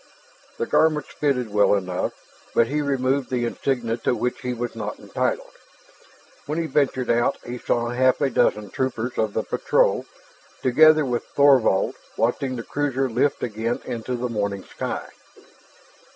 The garments fitted well enough, but he removed the insignia to which he was not entitled. When he ventured out he saw half a dozen troopers of the patrol, together with Thorvald, watching the cruiser lift again into the morning sky.